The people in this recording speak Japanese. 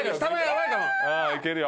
いけるよ。